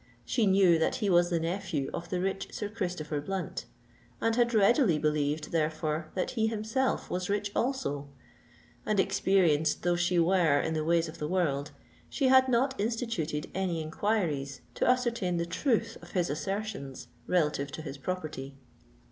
She knew that he was the nephew of the rich Sir Christopher Blunt, and had readily believed, therefore, that he himself was rich also; and, experienced though she were in the ways of the world, she had not instituted any inquiries to ascertain the truth of his assertions relative to his property.